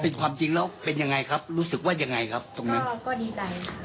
เป็นความจริงแล้วเป็นยังไงครับรู้สึกว่ายังไงครับตรงนั้นก็ดีใจ